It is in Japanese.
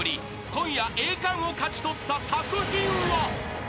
［今夜栄冠を勝ち取った作品は］